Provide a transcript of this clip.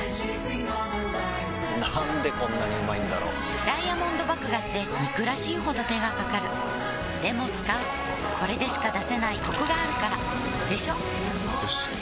なんでこんなにうまいんだろうダイヤモンド麦芽って憎らしいほど手がかかるでも使うこれでしか出せないコクがあるからでしょよ